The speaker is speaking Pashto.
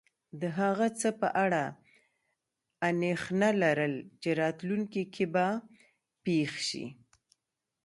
د هغه څه په اړه انېښنه لرل چی راتلونکي کې به پیښ شې